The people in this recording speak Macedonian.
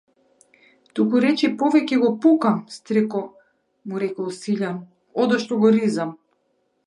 Тукуречи повеќе го пукам, стрико, му рекол Силјан, одошто го ризам.